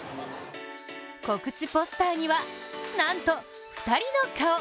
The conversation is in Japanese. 告知ポスターには、なんと２人の顔。